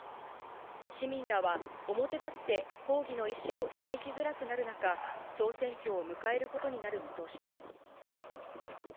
市民らは表立って抗議の意思を示しづらくなる中、総選挙を迎えることになる見通しです。